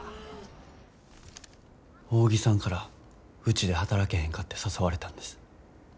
扇さんからうちで働けへんかて誘われたんです。